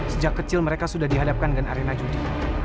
sejak kecil mereka sudah dihadapkan dengan arena judi